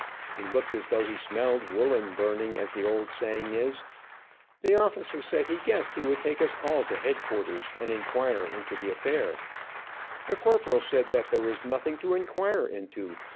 He looked as though he smelled woolen burning, as the old saying is. The officer said he guessed he would take us all to headquarters, and inquire into the affair. The corporal said that there was nothing to inquire into.